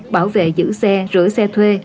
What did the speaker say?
hai bảo vệ giữ xe rửa xe thuê